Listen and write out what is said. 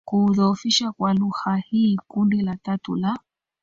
kuudhoofisha kwa lugha hii Kundi la tatu la